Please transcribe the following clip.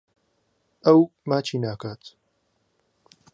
ئەو ماچی ناکات.